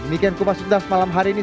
demikian kumpas juntas malam hari ini